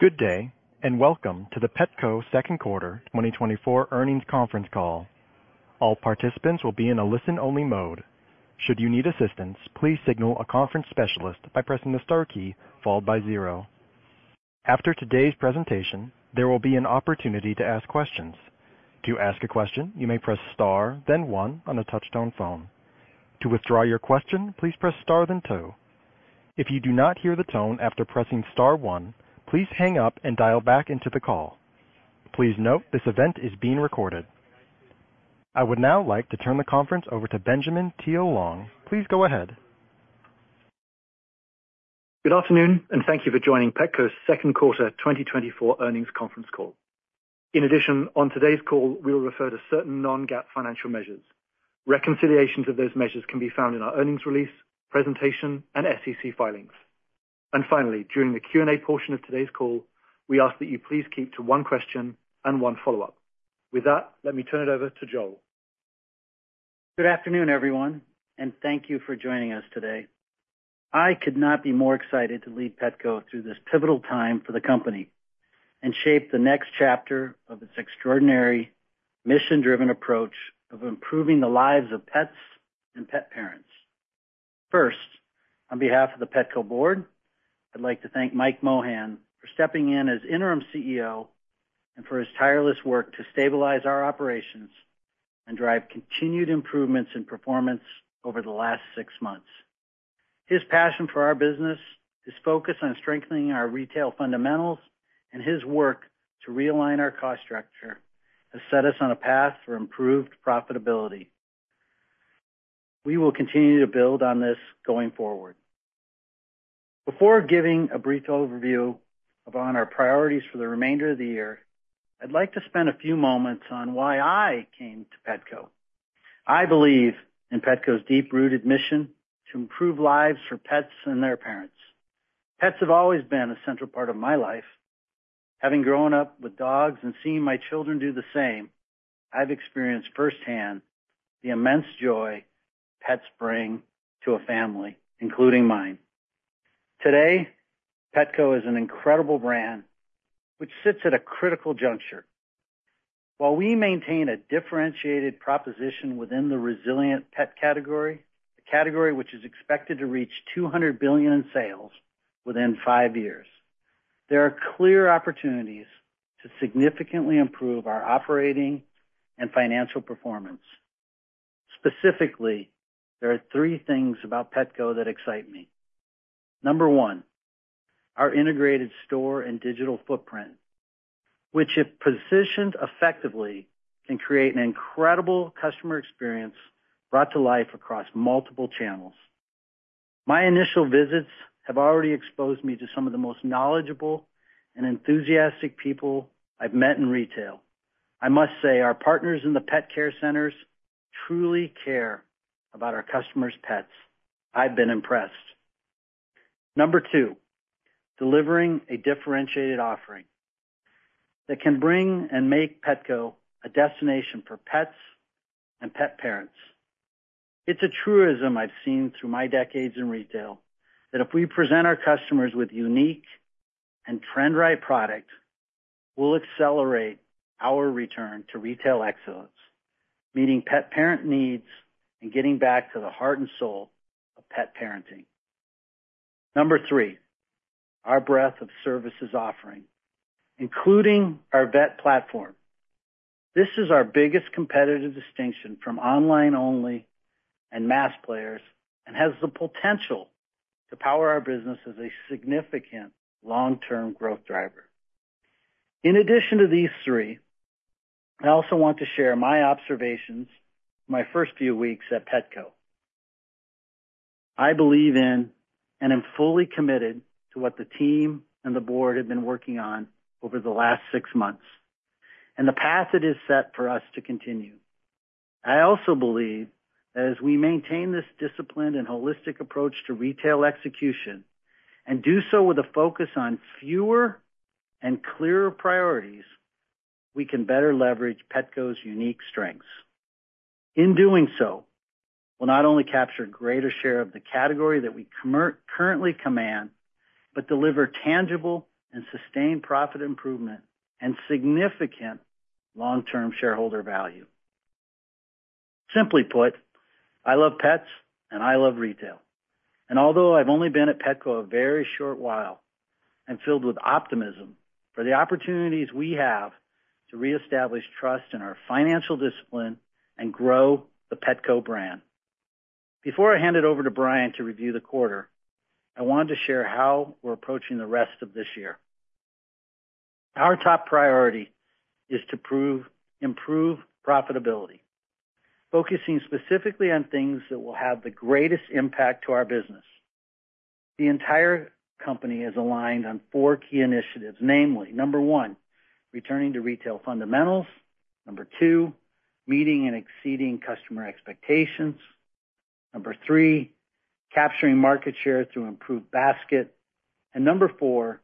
Good day, and welcome to the Petco second quarter 2024 earnings conference call. All participants will be in a listen-only mode. Should you need assistance, please signal a conference specialist by pressing the star key followed by zero. After today's presentation, there will be an opportunity to ask questions. To ask a question, you may press star, then one on a touchtone phone. To withdraw your question, please press star, then two. If you do not hear the tone after pressing star one, please hang up and dial back into the call. Please note, this event is being recorded. I would now like to turn the conference over to Benjamin Thiele-Long. Please go ahead. Good afternoon, and thank you for joining Petco's second quarter 2024 earnings conference call. In addition, on today's call, we will refer to certain non-GAAP financial measures. Reconciliations of those measures can be found in our earnings release, presentation, and SEC filings. And finally, during the Q&A portion of today's call, we ask that you please keep to one question and one follow-up. With that, let me turn it over to Joel. Good afternoon, everyone, and thank you for joining us today. I could not be more excited to lead Petco through this pivotal time for the company and shape the next chapter of its extraordinary mission-driven approach of improving the lives of pets and pet parents. First, on behalf of the Petco Board, I'd like to thank Mike Mohan for stepping in as interim CEO and for his tireless work to stabilize our operations and drive continued improvements in performance over the last six months. His passion for our business, his focus on strengthening our retail fundamentals, and his work to realign our cost structure has set us on a path for improved profitability. We will continue to build on this going forward. Before giving a brief overview of our priorities for the remainder of the year, I'd like to spend a few moments on why I came to Petco. I believe in Petco's deep-rooted mission to improve lives for pets and their parents. Pets have always been a central part of my life. Having grown up with dogs and seeing my children do the same, I've experienced firsthand the immense joy pets bring to a family, including mine. Today, Petco is an incredible brand which sits at a critical juncture. While we maintain a differentiated proposition within the resilient pet category, a category which is expected to reach $200 billion in sales within five years, there are clear opportunities to significantly improve our operating and financial performance. Specifically, there are three things about Petco that excite me. Number one, our integrated store and digital footprint, which, if positioned effectively, can create an incredible customer experience brought to life across multiple channels. My initial visits have already exposed me to some of the most knowledgeable and enthusiastic people I've met in retail. I must say, our partners in the pet care centers truly care about our customers' pets. I've been impressed. Number two, delivering a differentiated offering that can bring and make Petco a destination for pets and pet parents. It's a truism I've seen through my decades in retail that if we present our customers with unique and trend-right product, we'll accelerate our return to retail excellence, meeting pet parent needs and getting back to the heart and soul of pet parenting. Number three, our breadth of services offering, including our Vet platform. This is our biggest competitive distinction from online-only and mass players and has the potential to power our business as a significant long-term growth driver. In addition to these three, I also want to share my observations, my first few weeks at Petco. I believe in and am fully committed to what the team and the board have been working on over the last six months and the path it has set for us to continue. I also believe that as we maintain this disciplined and holistic approach to retail execution and do so with a focus on fewer and clearer priorities, we can better leverage Petco's unique strengths. In doing so, we'll not only capture greater share of the category that we currently command, but deliver tangible and sustained profit improvement and significant long-term shareholder value. Simply put, I love pets and I love retail, and although I've only been at Petco a very short while, I'm filled with optimism for the opportunities we have to reestablish trust in our financial discipline and grow the Petco brand. Before I hand it over to Brian to review the quarter, I wanted to share how we're approaching the rest of this year. Our top priority is to improve profitability, focusing specifically on things that will have the greatest impact to our business. The entire company is aligned on four key initiatives, namely, number one, returning to retail fundamentals. Number two, meeting and exceeding customer expectations. Number three, capturing market share through improved basket. And number four,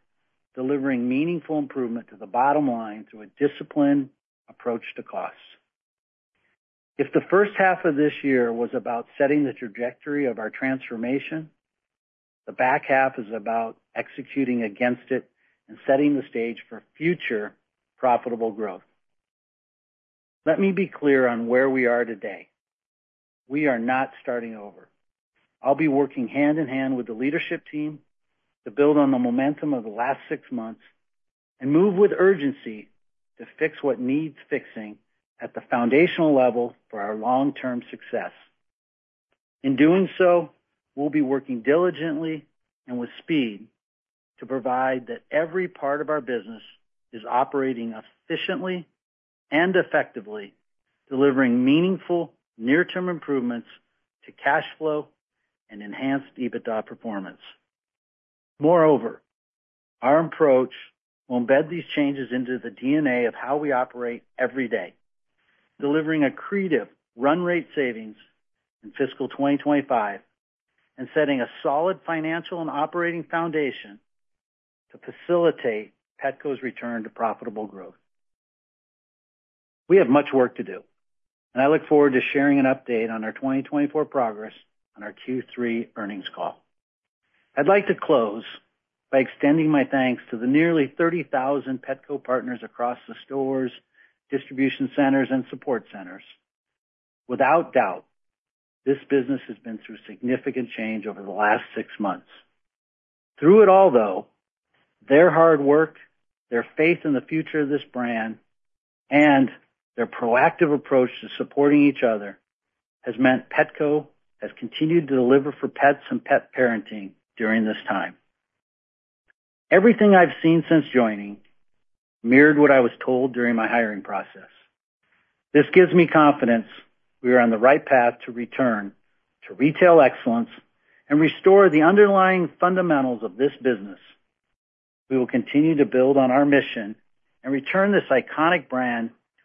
delivering meaningful improvement to the bottom line through a disciplined approach to costs. If the first half of this year was about setting the trajectory of our transformation, the back half is about executing against it and setting the stage for future profitable growth. Let me be clear on where we are today. We are not starting over. I'll be working hand-in-hand with the leadership team to build on the momentum of the last six months and move with urgency to fix what needs fixing at the foundational level for our long-term success. In doing so, we'll be working diligently and with speed to provide that every part of our business is operating efficiently and effectively, delivering meaningful near-term improvements to cash flow and enhanced EBITDA performance. Moreover, our approach will embed these changes into the DNA of how we operate every day, delivering accretive run rate savings in fiscal 2025, and setting a solid financial and operating foundation to facilitate Petco's return to profitable growth. We have much work to do, and I look forward to sharing an update on our 2024 progress on our Q3 earnings call. I'd like to close by extending my thanks to the nearly 30,000 Petco partners across the stores, distribution centers, and support centers. Without doubt, this business has been through significant change over the last six months. Through it all, though, their hard work, their faith in the future of this brand, and their proactive approach to supporting each other, has meant Petco has continued to deliver for pets and pet parenting during this time. Everything I've seen since joining mirrored what I was told during my hiring process. This gives me confidence we are on the right path to return to retail excellence and restore the underlying fundamentals of this business.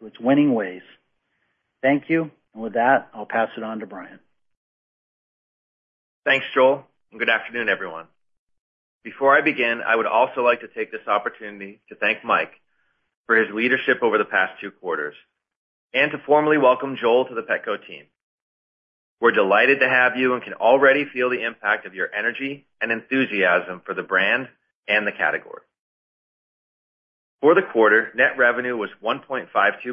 We will continue to build on our mission and return this iconic brand to its winning ways. Thank you, and with that, I'll pass it on to Brian. Thanks, Joel, and good afternoon, everyone. Before I begin, I would also like to take this opportunity to thank Mike for his leadership over the past two quarters and to formally welcome Joel to the Petco team. We're delighted to have you and can already feel the impact of your energy and enthusiasm for the brand and the category. For the quarter, net revenue was $1.52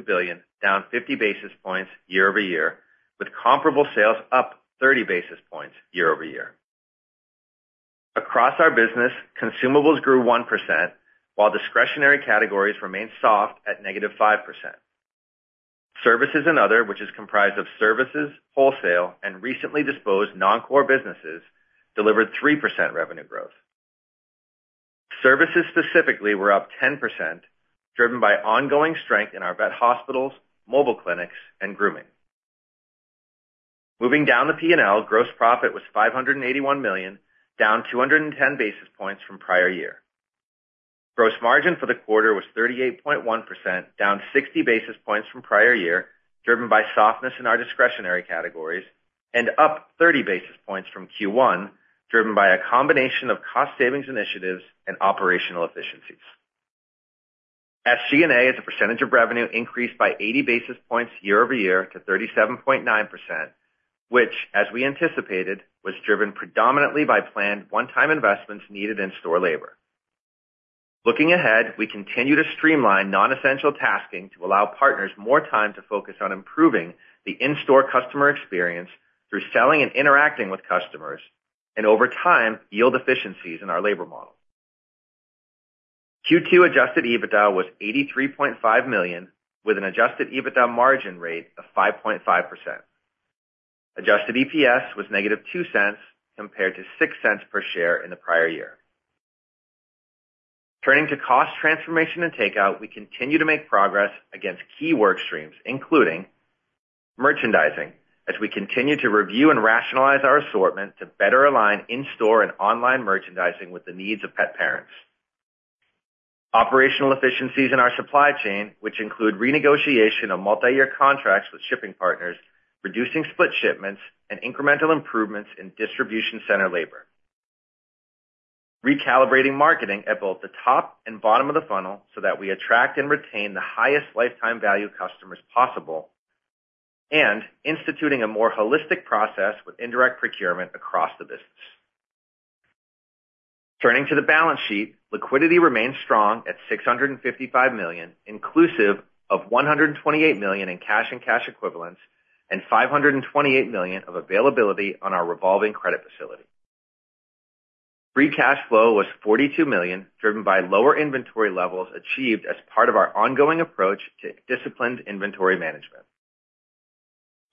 billion, down 50 basis points year-over-year, with comparable sales up 30 basis points year-over-year. Across our business, Consumables grew 1%, while discretionary categories remained soft at -5%. Services and Other, which is comprised of services, wholesale, and recently disposed non-core businesses, delivered 3% revenue growth. Services, specifically, were up 10%, driven by ongoing strength in our Vet hospitals, mobile clinics, and grooming. Moving down the P&L, gross profit was $581 million, down 210 basis points from prior year. Gross margin for the quarter was 38.1%, down 60 basis points from prior year, driven by softness in our discretionary categories, and up 30 basis points from Q1, driven by a combination of cost savings initiatives and operational efficiencies. SG&A, as a percentage of revenue, increased by 80 basis points year-over-year to 37.9%, which, as we anticipated, was driven predominantly by planned one-time investments needed in store labor. Looking ahead, we continue to streamline non-essential tasking to allow partners more time to focus on improving the in-store customer experience through selling and interacting with customers, and over time, yield efficiencies in our labor model. Q2 Adjusted EBITDA was $83.5 million, with an Adjusted EBITDA margin rate of 5.5%. Adjusted EPS was -$0.02, compared to $0.06 per share in the prior year. Turning to cost transformation and takeout, we continue to make progress against key work streams, including merchandising, as we continue to review and rationalize our assortment to better align in-store and online merchandising with the needs of pet parents. Operational efficiencies in our supply chain, which include renegotiation of multi-year contracts with shipping partners, reducing split shipments, and incremental improvements in distribution center labor. Recalibrating marketing at both the top and bottom of the funnel so that we attract and retain the highest lifetime value customers possible, and instituting a more holistic process with indirect procurement across the business. Turning to the balance sheet, liquidity remains strong at $655 million, inclusive of $128 million in cash and cash equivalents, and $528 million of availability on our revolving credit facility. Free cash flow was $42 million, driven by lower inventory levels achieved as part of our ongoing approach to disciplined inventory management.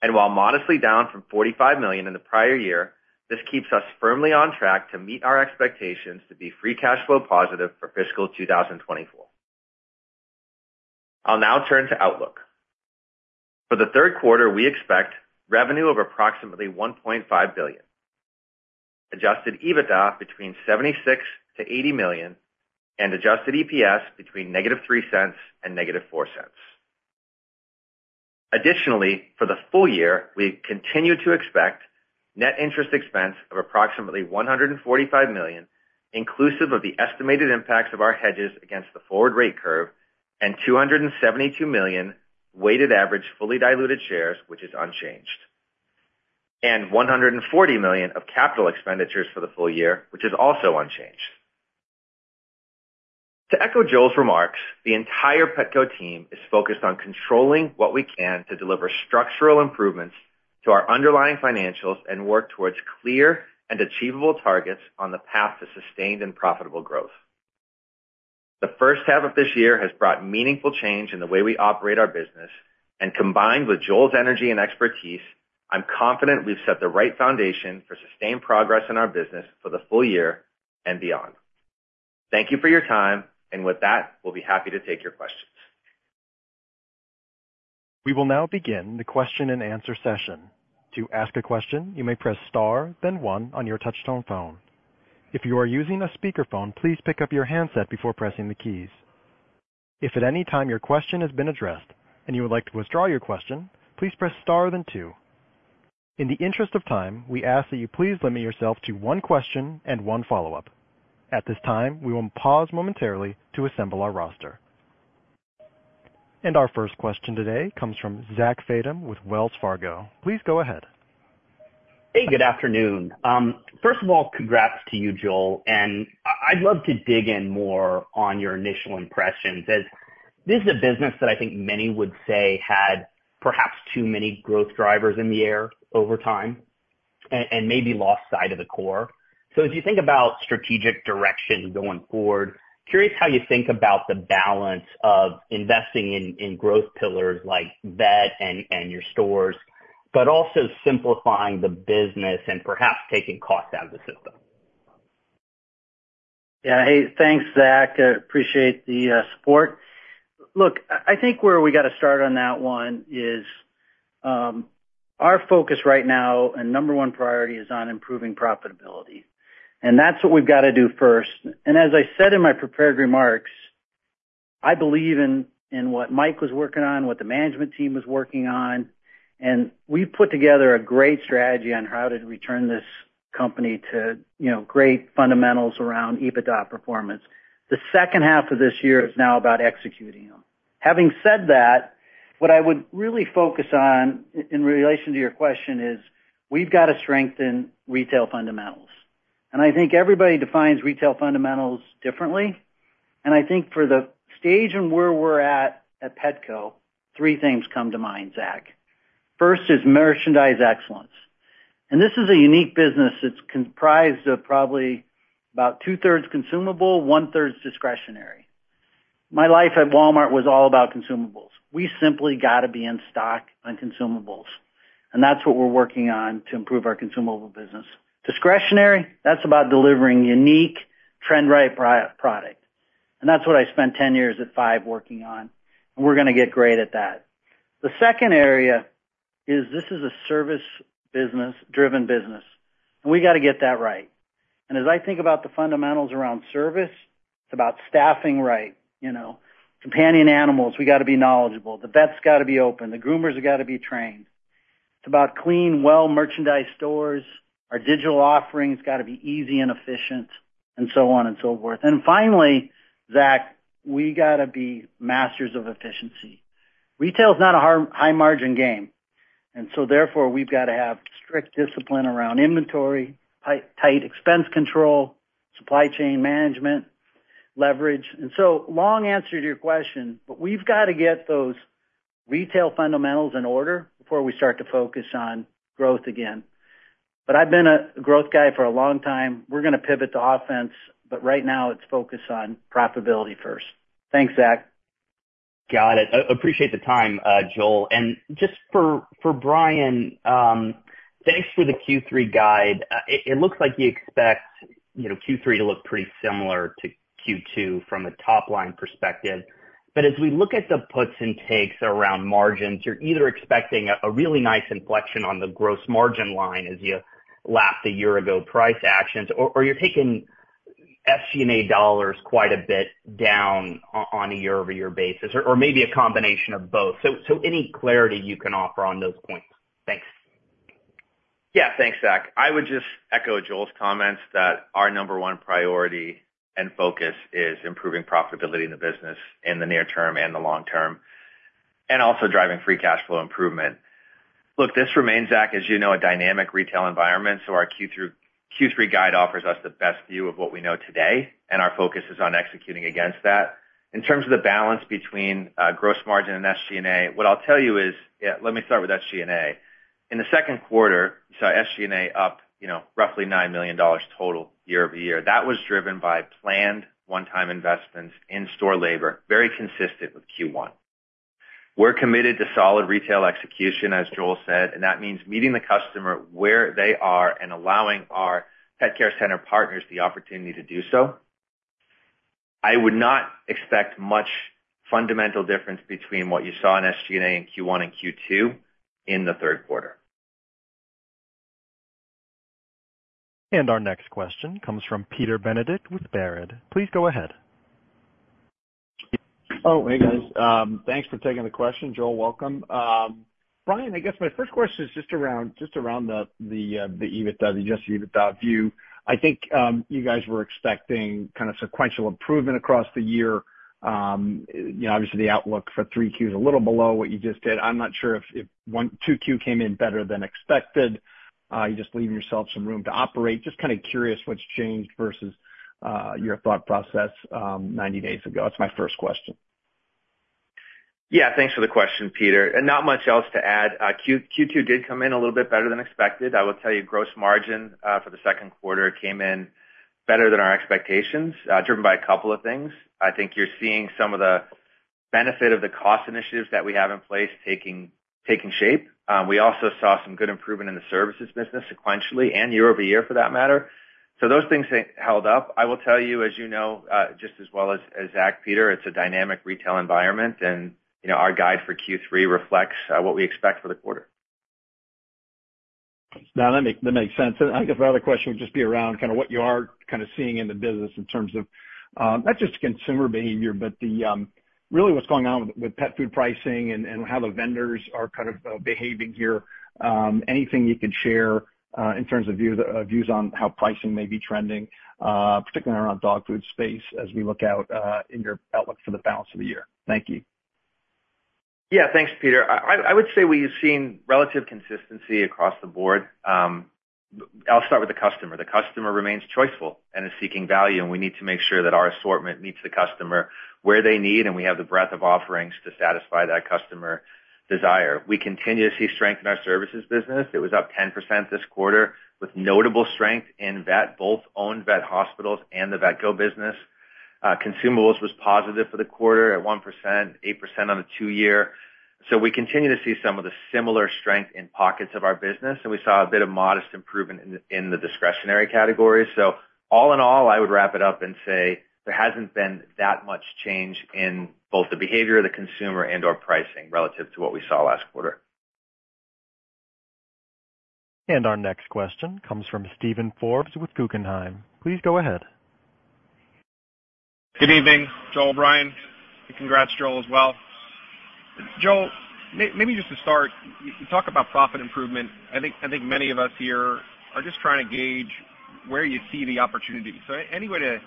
And while modestly down from $45 million in the prior year, this keeps us firmly on track to meet our expectations to be free cash flow positive for fiscal 2024. I'll now turn to outlook. For the third quarter, we expect revenue of approximately $1.5 billion, Adjusted EBITDA between $76 million-$80 million, and Adjusted EPS between -$0.03 and -$0.04. Additionally, for the full year, we continue to expect net interest expense of approximately $145 million, inclusive of the estimated impacts of our hedges against the forward rate curve, and 272 million weighted average fully diluted shares, which is unchanged. And $140 million of capital expenditures for the full year, which is also unchanged. To echo Joel's remarks, the entire Petco team is focused on controlling what we can to deliver structural improvements to our underlying financials and work towards clear and achievable targets on the path to sustained and profitable growth. The first half of this year has brought meaningful change in the way we operate our business, and combined with Joel's energy and expertise, I'm confident we've set the right foundation for sustained progress in our business for the full year and beyond. Thank you for your time, and with that, we'll be happy to take your questions. We will now begin the question-and-answer session. To ask a question, you may press star, then one on your touchtone phone. If you are using a speakerphone, please pick up your handset before pressing the keys. If at any time your question has been addressed and you would like to withdraw your question, please press star, then two. In the interest of time, we ask that you please limit yourself to one question and one follow-up. At this time, we will pause momentarily to assemble our roster. And our first question today comes from Zach Fadem with Wells Fargo. Please go ahead. Hey, good afternoon. First of all, congrats to you, Joel, and I'd love to dig in more on your initial impressions, as this is a business that I think many would say had perhaps too many growth drivers in the air over time, and maybe lost sight of the core. So as you think about strategic direction going forward, curious how you think about the balance of investing in growth pillars like Vet and your stores, but also simplifying the business and perhaps taking cost out of the system? Yeah. Hey, thanks, Zach. I appreciate the support. Look, I think where we got to start on that one is our focus right now and number one priority is on improving profitability, and that's what we've got to do first, and as I said in my prepared remarks, I believe in what Mike was working on, what the management team was working on, and we've put together a great strategy on how to return this company to, you know, great fundamentals around EBITDA performance. The second half of this year is now about executing them. Having said that, what I would really focus on in relation to your question is, we've got to strengthen retail fundamentals, and I think everybody defines retail fundamentals differently, and I think for the stage and where we're at Petco, three things come to mind, Zach. First is merchandise excellence, and this is a unique business that's comprised of probably about 2/3 Consumable, 1/3 discretionary. My life at Walmart was all about Consumables. We simply got to be in stock on Consumables, and that's what we're working on to improve our Consumable business. Discretionary, that's about delivering unique, trend-right product, and that's what I spent ten years at Five working on, and we're gonna get great at that. The second area is this is a service business, driven business, and we got to get that right, and as I think about the fundamentals around service, it's about staffing right, you know. Companion animals, we got to be knowledgeable. The vets got to be open, the groomers have got to be trained. It's about clean, well-merchandised stores. Our digital offerings got to be easy and efficient, and so on and so forth. Finally, Zach, we got to be masters of efficiency. Retail is not a high-margin game, and so therefore, we've got to have strict discipline around inventory, tight, tight expense control, supply chain management, leverage. So, long answer to your question, but we've got to get those retail fundamentals in order before we start to focus on growth again. But I've been a growth guy for a long time. We're gonna pivot to offense, but right now it's focused on profitability first. Thanks, Zach. Got it. Appreciate the time, Joel, and just for Brian, thanks for the Q3 guide. It looks like you expect, you know, Q3 to look pretty similar to Q2 from a top-line perspective, but as we look at the puts and takes around margins, you're either expecting a really nice inflection on the gross margin line as you lap the year-ago price actions, or you're taking SG&A dollars quite a bit down on a year-over-year basis, or maybe a combination of both. So any clarity you can offer on those points? Thanks. Yeah, thanks, Zach. I would just echo Joel's comments that our number one priority and focus is improving profitability in the business, in the near term and the long term, and also driving free cash flow improvement. Look, this remains, Zach, as you know, a dynamic retail environment, so our Q3 guide offers us the best view of what we know today, and our focus is on executing against that. In terms of the balance between gross margin and SG&A, what I'll tell you is. Yeah, let me start with SG&A. In the second quarter, you saw SG&A up, you know, roughly $9 million total year-over-year. That was driven by planned one-time investments in store labor, very consistent with Q1. We're committed to solid retail execution, as Joel said, and that means meeting the customer where they are and allowing our Petcare Center partners the opportunity to do so. I would not expect much fundamental difference between what you saw in SG&A in Q1 and Q2 in the third quarter. And our next question comes from Peter Benedict with Baird. Please go ahead. Oh, hey, guys. Thanks for taking the question. Joel, welcome. Brian, I guess my first question is just around the Adjusted EBITDA view. I think you guys were expecting kind of sequential improvement across the year. You know, obviously, the outlook for 3Q is a little below what you just did. I'm not sure if 2Q came in better than expected, you're just leaving yourself some room to operate. Just kind of curious what's changed versus your thought process 90 days ago. That's my first question. Yeah, thanks for the question, Peter, and not much else to add. Q2 did come in a little bit better than expected. I will tell you, gross margin for the second quarter came in better than our expectations, driven by a couple of things. I think you're seeing some of the benefit of the cost initiatives that we have in place taking shape. We also saw some good improvement in the Services business sequentially and year-over-year, for that matter. So those things held up. I will tell you, as you know, just as well as Zach, Peter, it's a dynamic retail environment, and you know, our guide for Q3 reflects what we expect for the quarter. No, that makes sense, and I think the other question would just be around kind of what you are kind of seeing in the business in terms of, not just consumer behavior, but the really what's going on with pet food pricing and how the vendors are kind of behaving here. Anything you can share in terms of views on how pricing may be trending, particularly around dog food space, as we look out in your outlook for the balance of the year? Thank you. Yeah, thanks, Peter. I would say we've seen relative consistency across the board. I'll start with the customer. The customer remains choiceful and is seeking value, and we need to make sure that our assortment meets the customer where they need, and we have the breadth of offerings to satisfy that customer desire. We continue to see strength in our Services business. It was up 10% this quarter, with notable strength in Vet, both owned Vet hospitals and the Vetco business. Consumables was positive for the quarter at 1%, 8% on the two-year. So we continue to see some of the similar strength in pockets of our business, and we saw a bit of modest improvement in the discretionary categories. So all in all, I would wrap it up and say there hasn't been that much change in both the behavior of the consumer and/or pricing relative to what we saw last quarter. And our next question comes from Steven Forbes with Guggenheim. Please go ahead. Good evening, Joel, Brian, and congrats, Joel, as well. Joel, maybe just to start, you talk about profit improvement. I think many of us here are just trying to gauge where you see the opportunity. So any way to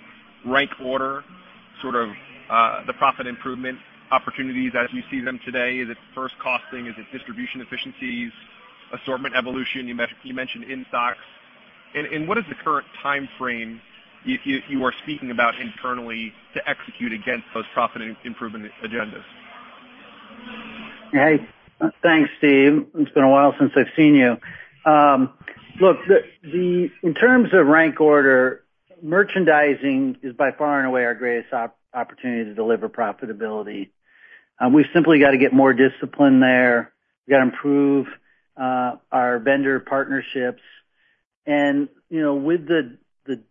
rank order, sort of, the profit improvement opportunities as you see them today? Is it first costing? Is it distribution efficiencies, assortment evolution? You mentioned in-stocks. And what is the current timeframe you are speaking about internally to execute against those profit improvement agendas? Hey, thanks, Steve. It's been a while since I've seen you. Look, in terms of rank order, merchandising is by far and away our greatest opportunity to deliver profitability. We've simply got to get more discipline there. We've got to improve our vendor partnerships. And, you know, with the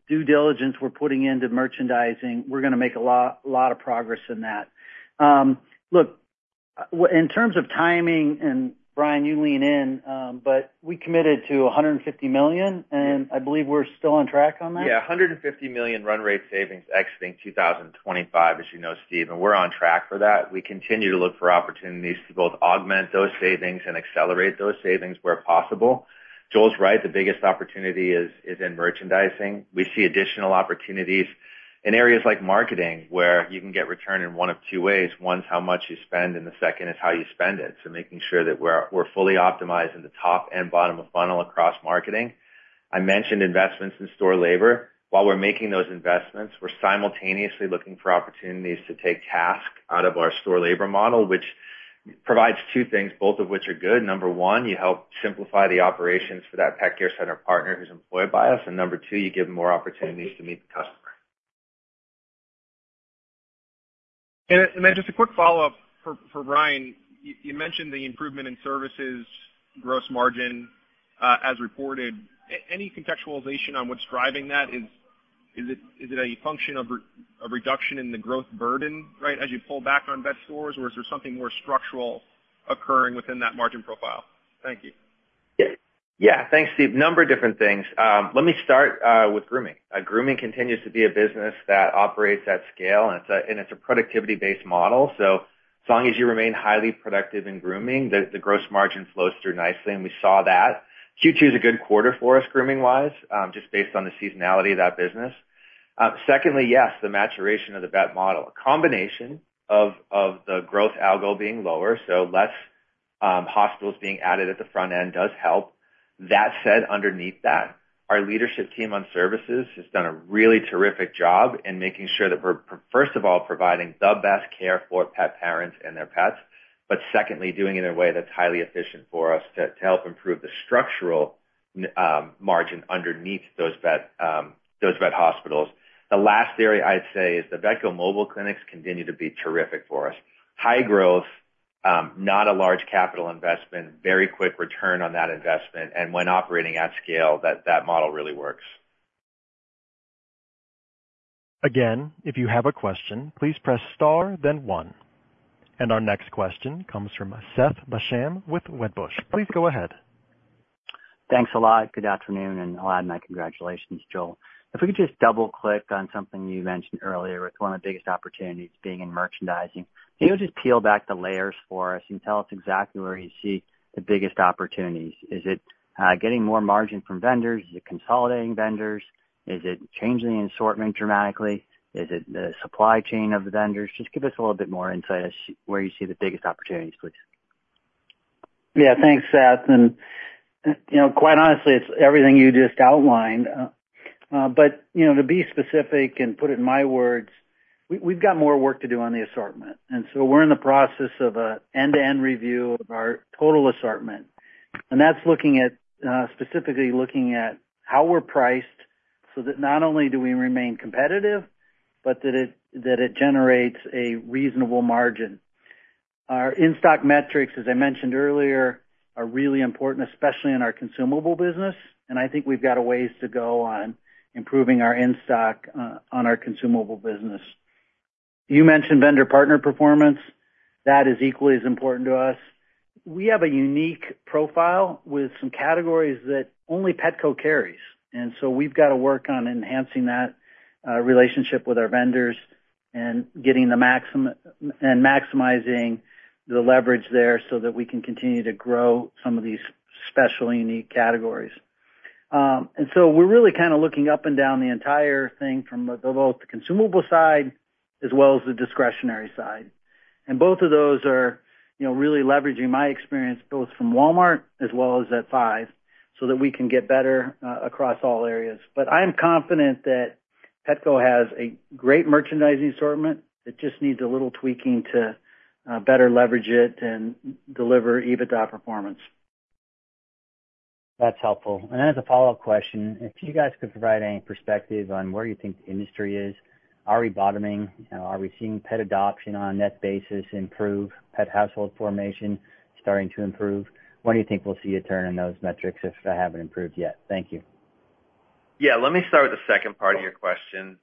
due diligence we're putting into merchandising, we're gonna make a lot, lot of progress in that. Look, in terms of timing, and Brian, you lean in, but we committed to $150 million, and I believe we're still on track on that? Yeah, $150 million run rate savings exiting 2025, as you know, Steve, and we're on track for that. We continue to look for opportunities to both augment those savings and accelerate those savings where possible. Joel's right, the biggest opportunity is in merchandising. We see additional opportunities in areas like marketing, where you can get return in one of two ways. One is how much you spend, and the second is how you spend it. So making sure that we're fully optimized in the top and bottom of funnel across marketing. I mentioned investments in store labor. While we're making those investments, we're simultaneously looking for opportunities to take task out of our store labor model, which provides two things, both of which are good. Number one, you help simplify the operations for that Pet care center partner who's employed by us, and number two, you give more opportunities to meet the customer. Then just a quick follow-up for Brian. You mentioned the improvement in Services, gross margin, as reported. Any contextualization on what's driving that? Is it a function of a reduction in the growth burden, right, as you pull back on Vet stores, or is there something more structural occurring within that margin profile? Thank you. Yeah. Yeah, thanks, Steve. Number of different things. Let me start with Grooming. Grooming continues to be a business that operates at scale, and it's a productivity-based model, so as long as you remain highly productive in Grooming, the gross margin flows through nicely, and we saw that. Q2 is a good quarter for us, grooming-wise, just based on the seasonality of that business. Secondly, yes, the maturation of the Vet model. A combination of the growth algo being lower, so less hospitals being added at the front end does help. That said, underneath that, our leadership team on Services has done a really terrific job in making sure that we're, first of all, providing the best care for pet parents and their pets, but secondly, doing it in a way that's highly efficient for us to help improve the structural margin underneath those Vet hospitals. The last area I'd say is the Vetco Mobile clinics continue to be terrific for us. High growth, not a large capital investment, very quick return on that investment, and when operating at scale, that model really works. Again, if you have a question, please press star, then one, and our next question comes from Seth Basham with Wedbush. Please go ahead. Thanks a lot. Good afternoon, and I'll add my congratulations, Joel. If we could just double-click on something you mentioned earlier. It's one of the biggest opportunities being in merchandising. Can you just peel back the layers for us and tell us exactly where you see the biggest opportunities? Is it getting more margin from vendors? Is it consolidating vendors? Is it changing the assortment dramatically? Is it the supply chain of the vendors? Just give us a little bit more insight on where you see the biggest opportunities, please. Yeah, thanks, Seth, and, you know, quite honestly, it's everything you just outlined. But, you know, to be specific and put it in my words, we, we've got more work to do on the assortment, and so we're in the process of an end-to-end review of our total assortment, and that's looking at, specifically looking at how we're priced, so that not only do we remain competitive, but that it generates a reasonable margin. Our in-stock metrics, as I mentioned earlier, are really important, especially in our Consumable business, and I think we've got a ways to go on improving our in-stock on our Consumable business. You mentioned vendor partner performance. That is equally as important to us. We have a unique profile with some categories that only Petco carries, and so we've got to work on enhancing that, relationship with our vendors and maximizing the leverage there so that we can continue to grow some of these specially unique categories. And so we're really kind of looking up and down the entire thing from both the Consumable side as well as the discretionary side. And both of those are, you know, really leveraging my experience, both from Walmart as well as at Five, so that we can get better, across all areas. But I'm confident that Petco has a great merchandising assortment. It just needs a little tweaking to, better leverage it and deliver EBITDA performance. That's helpful. And as a follow-up question, if you guys could provide any perspective on where you think the industry is, are we bottoming? Are we seeing pet adoption on a net basis improve, pet household formation starting to improve? When do you think we'll see a turn in those metrics if they haven't improved yet? Thank you. Yeah, let me start with the second part of your question.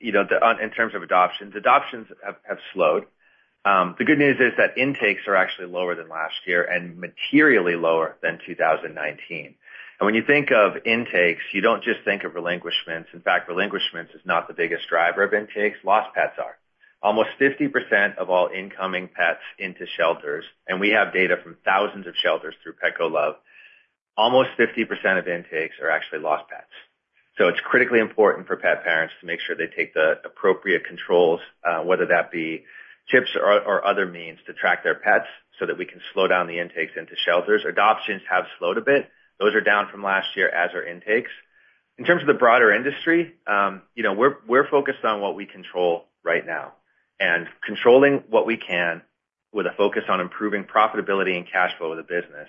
You know, on in terms of adoptions, adoptions have slowed. The good news is that intakes are actually lower than last year and materially lower than 2019. And when you think of intakes, you don't just think of relinquishments. In fact, relinquishments is not the biggest driver of intakes. Lost pets are. Almost 50% of all incoming pets into shelters, and we have data from thousands of shelters through Petco Love, almost 50% of intakes are actually lost pets. So it's critically important for pet parents to make sure they take the appropriate controls, whether that be chips or other means, to track their pets so that we can slow down the intakes into shelters. Adoptions have slowed a bit. Those are down from last year, as are intakes. In terms of the broader industry, you know, we're focused on what we control right now and controlling what we can with a focus on improving profitability and cash flow of the business,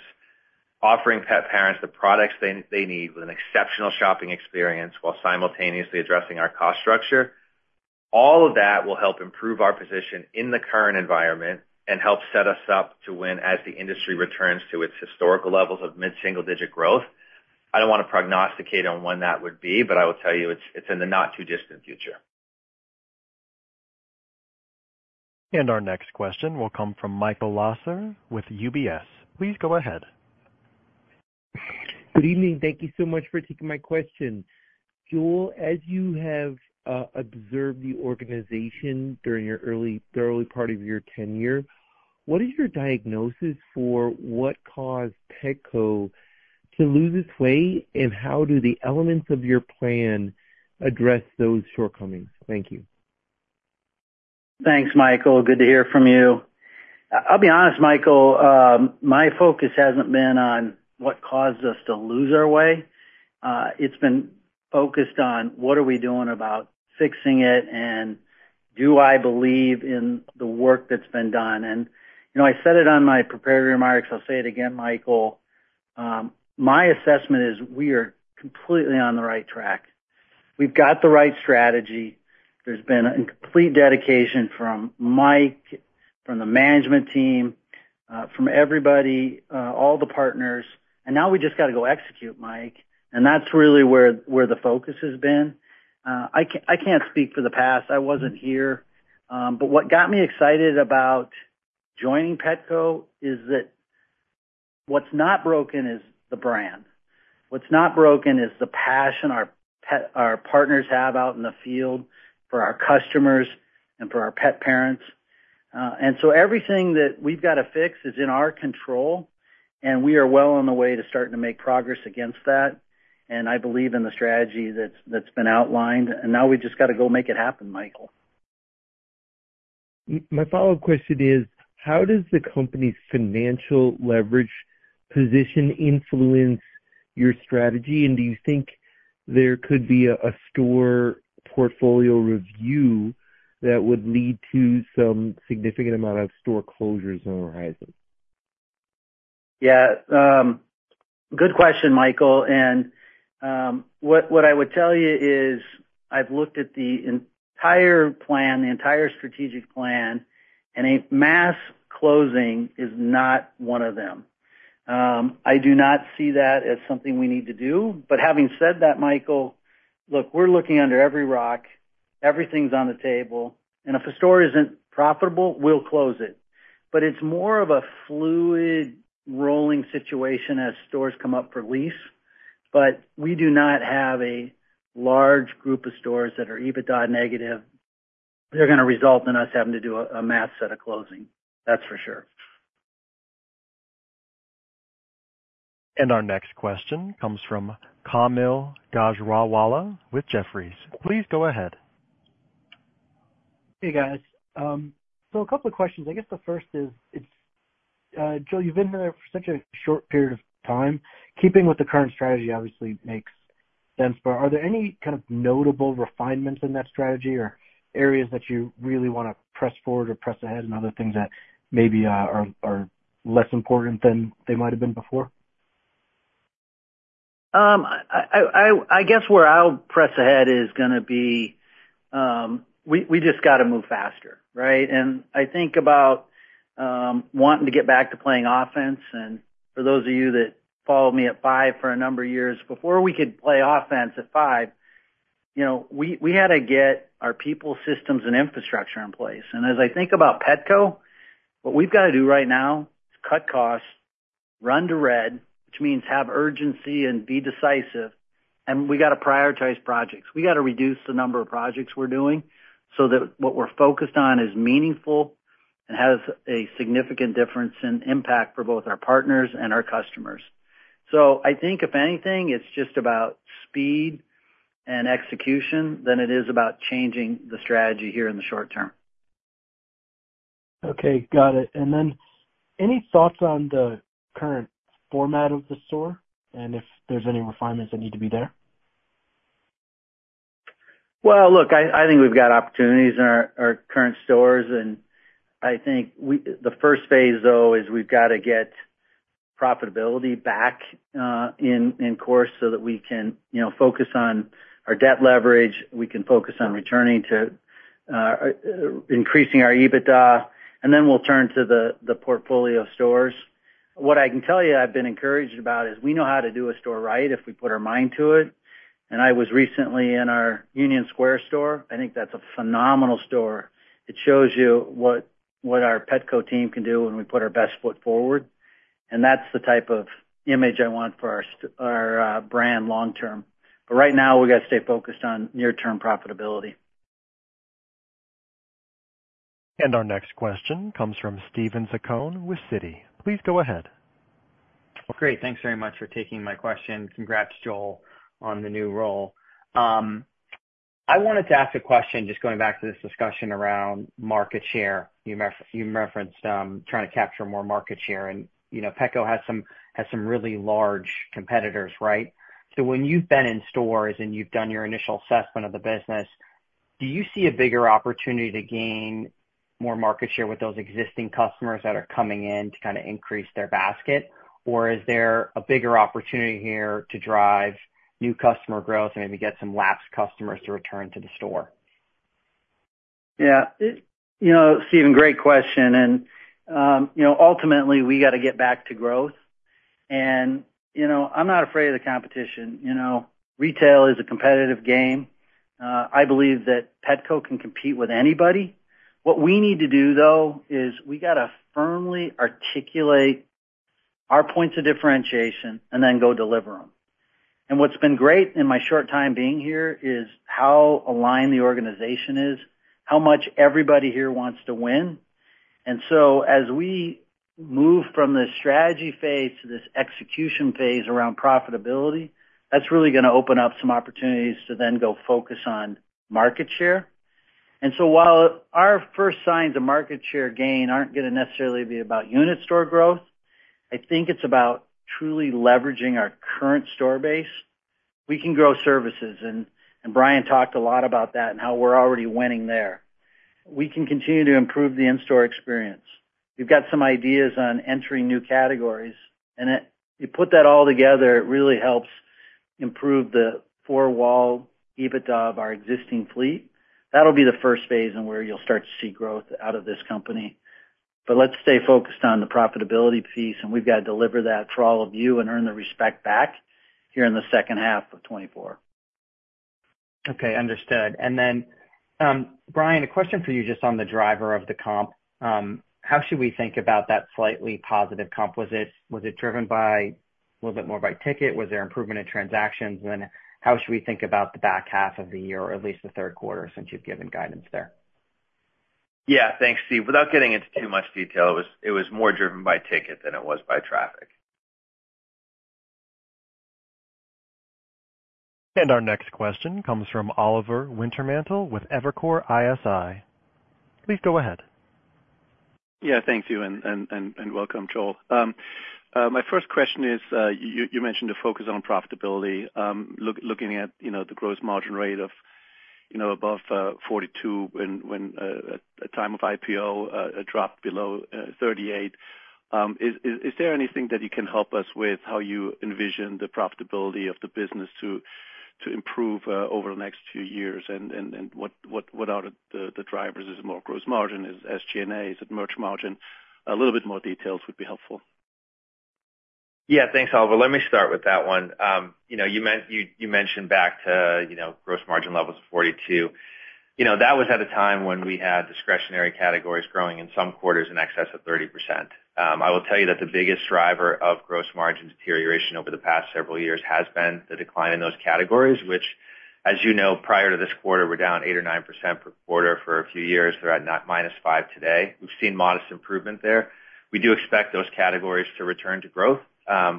offering pet parents the products they need with an exceptional shopping experience while simultaneously addressing our cost structure. All of that will help improve our position in the current environment and help set us up to win as the industry returns to its historical levels of mid-single-digit growth. I don't want to prognosticate on when that would be, but I will tell you, it's in the not-too-distant future. Our next question will come from Michael Lasser with UBS. Please go ahead. Good evening. Thank you so much for taking my question. Joel, as you have observed the organization during the early part of your tenure, what is your diagnosis for what caused Petco to lose its way, and how do the elements of your plan address those shortcomings? Thank you. Thanks, Michael. Good to hear from you. I'll be honest, Michael, my focus hasn't been on what caused us to lose our way. It's been focused on what are we doing about fixing it and do I believe in the work that's been done? You know, I said it on my prepared remarks, I'll say it again, Michael, my assessment is we are completely on the right track. We've got the right strategy. There's been a complete dedication from Mike, from the management team, from everybody, all the partners, and now we just got to go execute, Mike, and that's really where the focus has been. I can't speak for the past. I wasn't here, but what got me excited about joining Petco is that what's not broken is the brand. What's not broken is the passion our partners have out in the field for our customers and for our pet parents. And so everything that we've got to fix is in our control, and we are well on the way to starting to make progress against that, and I believe in the strategy that's been outlined, and now we've just got to go make it happen, Michael. My follow-up question is, how does the company's financial leverage position influence your strategy? And do you think there could be a store portfolio review that would lead to some significant amount of store closures on the horizon? Yeah, good question, Michael, and, what I would tell you is I've looked at the entire plan, the entire strategic plan, and a mass closing is not one of them. I do not see that as something we need to do, but having said that, Michael. Look, we're looking under every rock. Everything's on the table, and if a store isn't profitable, we'll close it. But it's more of a fluid, rolling situation as stores come up for lease. But we do not have a large group of stores that are EBITDA negative. They're gonna result in us having to do a mass set of closing, that's for sure. Our next question comes from Kaumil Gajrawala with Jefferies. Please go ahead. Hey, guys. So a couple of questions. I guess the first is, it's Joel, you've been there for such a short period of time. Keeping with the current strategy obviously makes sense, but are there any kind of notable refinements in that strategy or areas that you really wanna press forward or press ahead, and other things that maybe are less important than they might have been before? I guess where I'll press ahead is gonna be, we just gotta move faster, right? And I think about wanting to get back to playing offense. And for those of you that followed me at Five for a number of years, before we could play offense at Five, you know, we had to get our people, systems, and infrastructure in place. And as I think about Petco, what we've got to do right now is cut costs, run to red, which means have urgency and be decisive, and we gotta prioritize projects. We gotta reduce the number of projects we're doing so that what we're focused on is meaningful and has a significant difference in impact for both our partners and our customers. So I think if anything, it's just about speed and execution than it is about changing the strategy here in the short term. Okay, got it. And then, any thoughts on the current format of the store, and if there's any refinements that need to be there? Well, look, I, I think we've got opportunities in our current stores, and I think we, the first phase, though, is we've got to get profitability back on course, so that we can, you know, focus on our debt leverage, we can focus on returning to increasing our EBITDA, and then we'll turn to the portfolio of stores. What I can tell you I've been encouraged about is we know how to do a store right if we put our mind to it. And I was recently in our Union Square store. I think that's a phenomenal store. It shows you what our Petco team can do when we put our best foot forward, and that's the type of image I want for our brand long term. But right now, we've got to stay focused on near-term profitability. Our next question comes from Steven Zaccone with Citi. Please go ahead. Well, great. Thanks very much for taking my question. Congrats, Joel, on the new role. I wanted to ask a question, just going back to this discussion around market share. You referenced trying to capture more market share, and, you know, Petco has some really large competitors, right? So when you've been in stores and you've done your initial assessment of the business, do you see a bigger opportunity to gain more market share with those existing customers that are coming in to kind of increase their basket? Or is there a bigger opportunity here to drive new customer growth and maybe get some lapsed customers to return to the store? Yeah, you know, Steven, great question, and, you know, ultimately, we got to get back to growth. You know, I'm not afraid of the competition. You know, retail is a competitive game. I believe that Petco can compete with anybody. What we need to do, though, is we gotta firmly articulate our points of differentiation and then go deliver them. And what's been great in my short time being here is how aligned the organization is, how much everybody here wants to win. And so as we move from this strategy phase to this execution phase around profitability, that's really gonna open up some opportunities to then go focus on market share. And so while our first signs of market share gain aren't gonna necessarily be about unit store growth, I think it's about truly leveraging our current store base. We can grow Services, and Brian talked a lot about that and how we're already winning there. We can continue to improve the in-store experience. We've got some ideas on entering new categories, and it. You put that all together, it really helps improve the four-wall EBITDA of our existing fleet. That'll be the first phase and where you'll start to see growth out of this company. But let's stay focused on the profitability piece, and we've got to deliver that for all of you and earn the respect back here in the second half of 2024. Okay, understood. And then, Brian, a question for you just on the driver of the comp. How should we think about that slightly positive comp? Was it driven by a little bit more by ticket? Was there improvement in transactions? And how should we think about the back half of the year, or at least the third quarter, since you've given guidance there? Yeah. Thanks, Steve. Without getting into too much detail, it was more driven by ticket than it was by traffic. And our next question comes from Oliver Wintermantel with Evercore ISI. Please go ahead. Yeah, thank you, and welcome, Joel. My first question is, you mentioned a focus on profitability. Looking at, you know, the gross margin rate of, you know, above 42% when at the time of IPO, it dropped below 38%. Is there anything that you can help us with how you envision the profitability of the business to improve over the next few years? And what are the drivers? Is it more gross margin? Is it SG&A? Is it merch margin? A little bit more details would be helpful. Yeah, thanks, Oliver. Let me start with that one. You know, you mentioned back to, you know, gross margin levels of 42%. You know, that was at a time when we had discretionary categories growing in some quarters in excess of 30%. I will tell you that the biggest driver of gross margin deterioration over the past several years has been the decline in those categories, which, as you know, prior to this quarter, were down 8% or 9% per quarter for a few years. They're at not -5% today. We've seen modest improvement there. We do expect those categories to return to growth.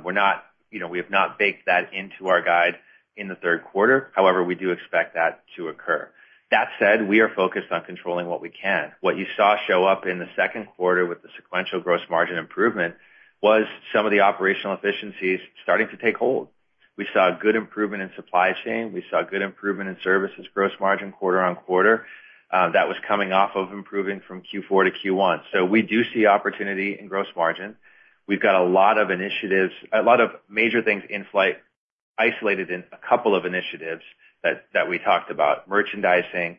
We're not, you know, we have not baked that into our guide in the third quarter. However, we do expect that to occur. That said, we are focused on controlling what we can. What you saw show up in the second quarter with the sequential gross margin improvement was some of the operational efficiencies starting to take hold. We saw a good improvement in supply chain. We saw good improvement in services gross margin quarter-on-quarter that was coming off of improving from Q4 to Q1. So we do see opportunity in gross margin. We've got a lot of initiatives, a lot of major things in flight, isolated in a couple of initiatives that we talked about. Merchandising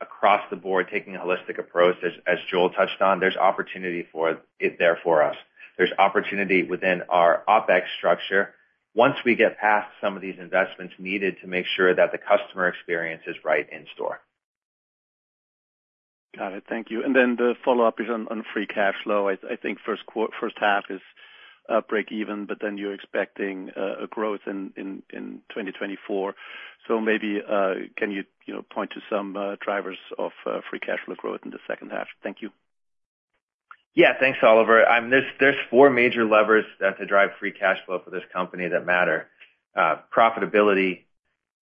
across the board, taking a holistic approach, as Joel touched on, there's opportunity for it there for us. There's opportunity within our OpEx structure. Once we get past some of these investments needed to make sure that the customer experience is right in store. Got it. Thank you. And then the follow-up is on free cash flow. I think first half is breakeven, but then you're expecting a growth in 2024. So maybe can you, you know, point to some drivers of free cash flow growth in the second half? Thank you. Yeah, thanks, Oliver. There's four major levers to drive free cash flow for this company that matter: profitability,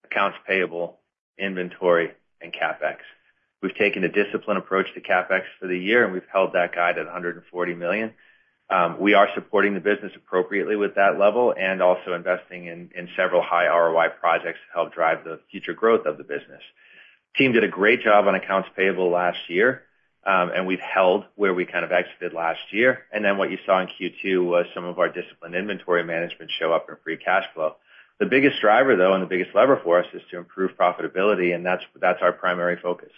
accounts payable, inventory, and CapEx. We've taken a disciplined approach to CapEx for the year, and we've held that guide at $140 million. We are supporting the business appropriately with that level and also investing in several high ROI projects to help drive the future growth of the business. Team did a great job on accounts payable last year, and we've held where we kind of exited last year, and then what you saw in Q2 was some of our disciplined inventory management show up in free cash flow. The biggest driver, though, and the biggest lever for us, is to improve profitability, and that's our primary focus.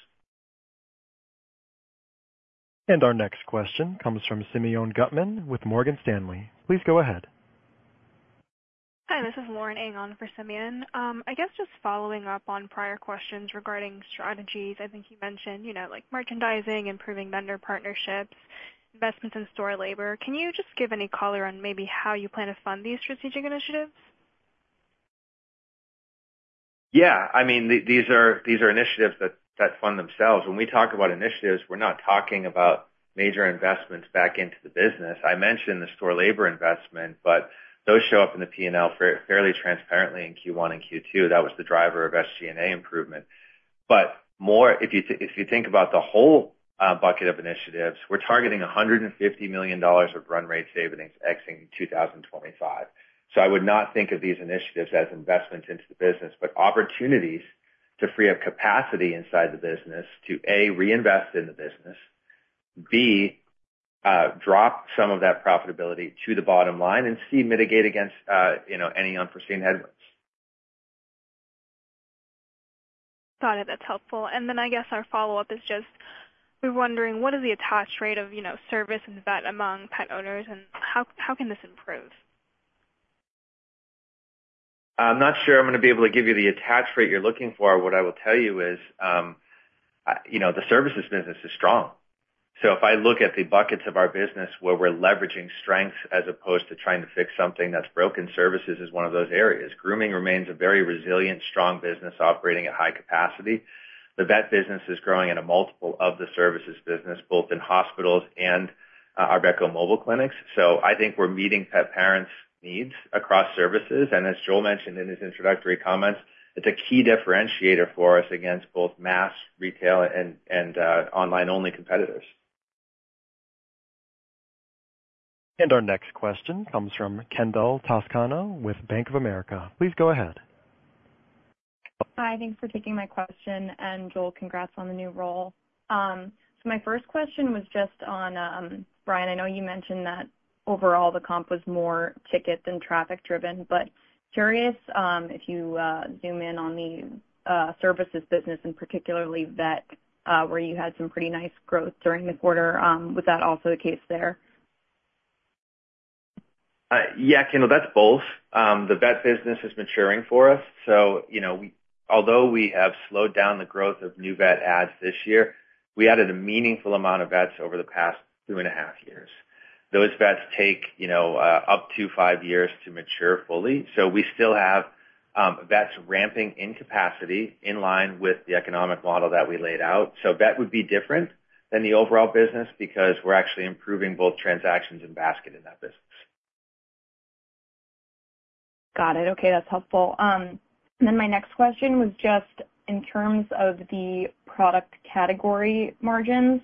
Our next question comes from Simeon Gutman with Morgan Stanley. Please go ahead. Hi, this is Lauren Ng on for Simeon. I guess just following up on prior questions regarding strategies. I think you mentioned, you know, like, merchandising, improving vendor partnerships, investments in store labor. Can you just give any color on maybe how you plan to fund these strategic initiatives? Yeah, I mean, these are initiatives that fund themselves. When we talk about initiatives, we're not talking about major investments back into the business. I mentioned the store labor investment, but those show up in the P&L fairly transparently in Q1 and Q2. That was the driver of SG&A improvement. But more, if you think about the whole bucket of initiatives, we're targeting $150 million of run rate savings exiting 2025. So I would not think of these initiatives as investments into the business, but opportunities to free up capacity inside the business to, A, reinvest in the business, B, drop some of that profitability to the bottom line, and C, mitigate against, you know, any unforeseen headwinds. Got it. That's helpful, and then I guess our follow-up is just, we're wondering, what is the attach rate of, you know, Service and Vet among pet owners, and how can this improve? I'm not sure I'm gonna be able to give you the attach rate you're looking for. What I will tell you is, you know, the Services business is strong. So if I look at the buckets of our business where we're leveraging strengths as opposed to trying to fix something that's broken, Services is one of those areas. Grooming remains a very resilient, strong business, operating at high capacity. The Vet business is growing at a multiple of the Services business, both in hospitals and our Petco mobile clinics. So I think we're meeting pet parents' needs across Services, and as Joel mentioned in his introductory comments, it's a key differentiator for us against both mass, retail, and online-only competitors. And our next question comes from Kendall Toscano with Bank of America. Please go ahead. Hi, thanks for taking my question, and Joel, congrats on the new role. So my first question was just on Brian, I know you mentioned that overall the comp was more ticket than traffic driven, but curious, if you zoom in on the Services business, and particularly Vet, where you had some pretty nice growth during the quarter, was that also the case there? Yeah, Kendall, that's both. The Vet business is maturing for us, so, you know, although we have slowed down the growth of new Vet adds this year, we added a meaningful amount of Vets over the past two and a half years. Those Vets take, you know, up to five years to mature fully, so we still have Vets ramping in capacity in line with the economic model that we laid out. So Vet would be different than the overall business because we're actually improving both transactions and basket in that business. Got it. Okay, that's helpful, then my next question was just in terms of the product category margins.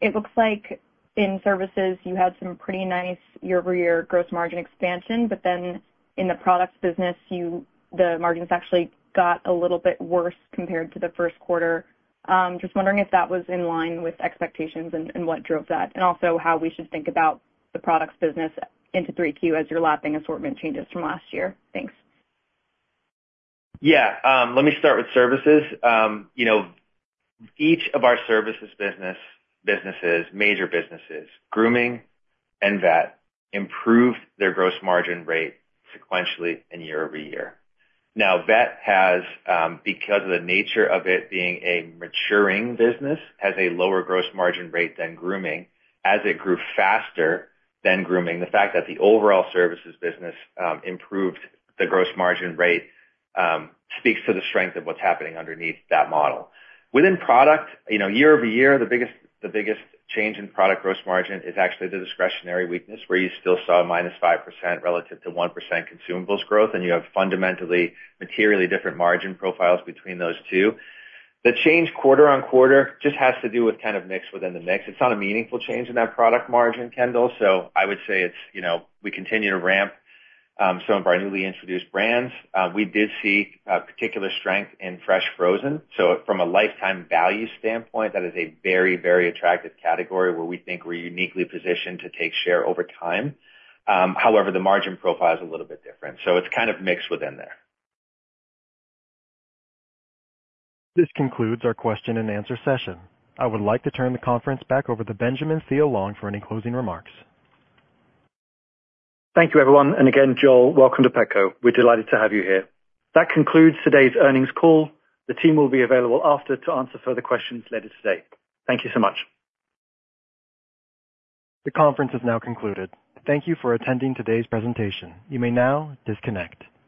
It looks like in Services, you had some pretty nice year-over-year gross margin expansion, but then in the Products business, you, the margins actually got a little bit worse compared to the first quarter. Just wondering if that was in line with expectations and what drove that, and also how we should think about the Products business into 3Q as you're lapping assortment changes from last year. Thanks. Yeah, let me start with Services. You know, each of our Services businesses, major businesses, Grooming and Vet, improved their gross margin rate sequentially and year-over-year. Now, Vet has, because of the nature of it being a maturing business, has a lower gross margin rate than Grooming. As it grew faster than Grooming, the fact that the overall Services business, improved the gross margin rate, speaks to the strength of what's happening underneath that model. Within Product, you know, year-over-year, the biggest change in Product gross margin is actually the discretionary weakness, where you still saw -5% relative to 1% Consumables growth, and you have fundamentally materially different margin profiles between those two. The change quarter-on-quarter just has to do with kind of mix within the mix. It's not a meaningful change in that Product margin, Kendall. So I would say it's, you know, we continue to ramp some of our newly introduced brands. We did see a particular strength in Fresh Frozen, so from a lifetime value standpoint, that is a very, very attractive category where we think we're uniquely positioned to take share over time. However, the margin profile is a little bit different, so it's kind of mixed within there. This concludes our question-and-answer session. I would like to turn the conference back over to Benjamin Thiele-Long for any closing remarks. Thank you, everyone, and again, Joel, welcome to Petco. We're delighted to have you here. That concludes today's earnings call. The team will be available after to answer further questions later today. Thank you so much. The conference is now concluded. Thank you for attending today's presentation. You may now disconnect.